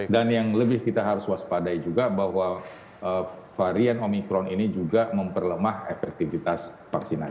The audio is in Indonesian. dan yang lebih kita harus waspadai juga bahwa varian omicron ini juga memperlemah efektivitas vaksinasi